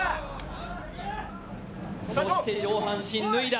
そして上半身脱いだ。